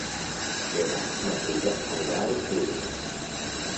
Demà na Frida anirà a Alcúdia.